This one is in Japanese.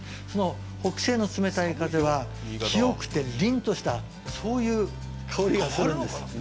その北西の冷たい風は、清くて、りんとしたそういう香りがするんです。